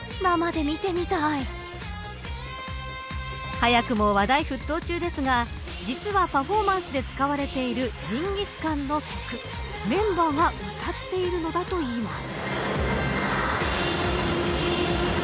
早くも話題沸騰中ですが実はパフォーマンスで使われているジンギスカンの曲メンバーが歌っているのだといいます。